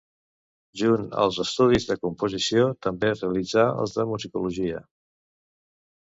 Junt els estudis de composició també realitzà els de musicologia.